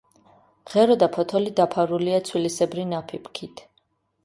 ღერო და ფოთოლი დაფარულია ცვილისებრი ნაფიფქით.